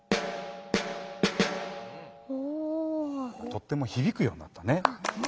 とってもひびくようになったね。